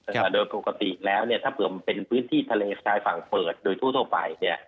แต่โดยปกติแล้วถ้าเผื่อมันเป็นพื้นที่ทะเลท้ายฝั่งเปิดโดยทั่วไป